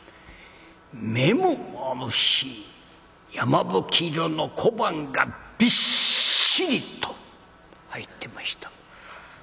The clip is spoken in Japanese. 目もまぶしいやまぶき色の小判がびっしりと入ってました。